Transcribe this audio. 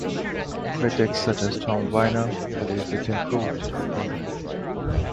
Critics such as Tom Wiener believe it improved the film.